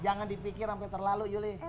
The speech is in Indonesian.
jangan dipikir sampai terlalu yuli